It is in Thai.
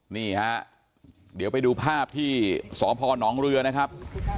นี่ฮะเดี๋ยวไปดูภาพที่สพนเรือนะครับ